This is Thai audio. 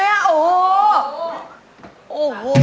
เย็น